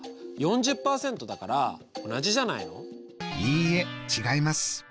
いいえ違います。